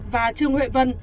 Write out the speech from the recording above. và trương huệ vân